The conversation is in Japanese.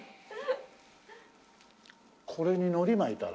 これにのり巻いたら？